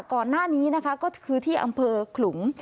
ก่อนหน้านี้นะคะก็คือที่อำเภอขลุง